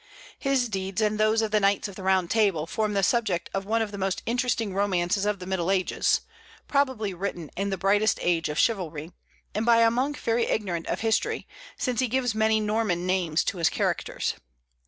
His deeds and those of the knights of the Round Table form the subject of one of the most interesting romances of the Middle Ages, probably written in the brightest age of chivalry, and by a monk very ignorant of history, since he gives many Norman names to his characters.